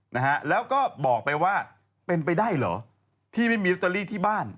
นะฮะแล้วก็บอกไปว่าเป็นไปได้เหรอที่ไม่มีลอตเตอรี่ที่บ้าน